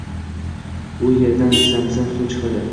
u yerdan Zamzam suvi chiqadi.